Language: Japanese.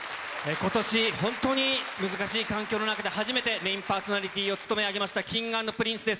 ことし、本当に難しい環境の中で、初めてメインパーソナリティーを務め上げましたＫｉｎｇ＆Ｐｒｉｎｃｅです。